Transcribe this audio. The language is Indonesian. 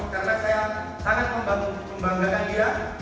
karena saya sangat membanggakan dia